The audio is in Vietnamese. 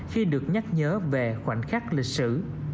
khi được nhắc nhớ về khoảnh khắc lịch sử